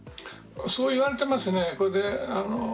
そう言われていますね。